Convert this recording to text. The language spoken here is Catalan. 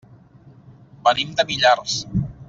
Venim de Millars.